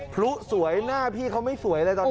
พลุสวยหน้าพี่เขาไม่สวยเลยตอนนี้